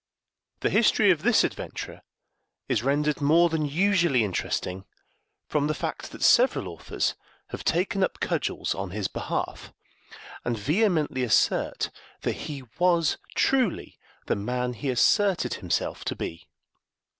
The history of this adventurer is rendered more than usually interesting from the fact that several authors have taken up cudgels on his behalf, and vehemently assert that he was truly the man he asserted himself to be.